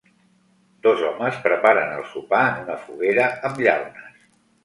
Dos homes preparen el sopar en una foguera amb llaunes.